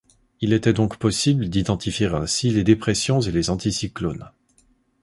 Il était donc possible d'identifier ainsi les dépressions et les anticyclones.